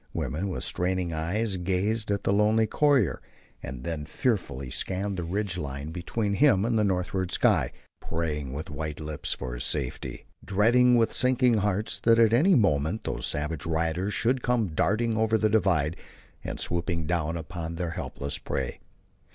Women with straining eyes gazed at the lonely courier, and then fearfully scanned the ridge line between him and the northward sky; praying with white lips for his safety; dreading with sinking hearts that at any moment those savage riders should come darting over the divide and swooping down upon their helpless prey.